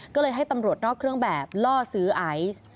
ก็เลยให้ตำรวจนอกเครื่องแบบล่อซื้อไอซ์